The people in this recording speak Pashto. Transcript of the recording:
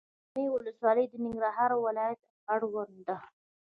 کامې ولسوالۍ د ننګرهار ولايت اړوند ده.